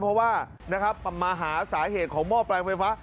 เพราะว่ามหาสาเหตุของหม้อแปลงไฟฟ้า